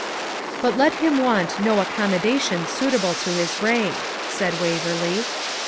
'But let him want no accommodation suitable to his rank,' said Waverley.